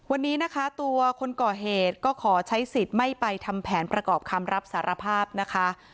วันนี้นะคะตัวคนก่อเหตุก็ขอใช้สิทธิ์ไม่ไปทำแผนประกอบคำรับสารภาพนะคะ